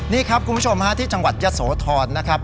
นี่ครับคุณผู้ชมฮะที่จังหวัดยะโสธรนะครับ